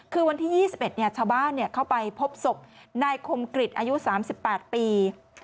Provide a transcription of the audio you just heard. คือวันที่๒๑ชาวบ้านเข้าไปพบศพนายคมกริจอายุ๓๘ปี